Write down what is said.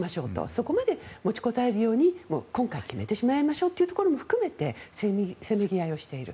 そこまで持ちこたえるように今回、決めてしまいましょうというところまで含めてせめぎ合いをしている。